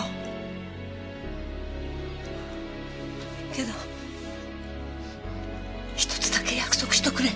けど１つだけ約束しとくれ。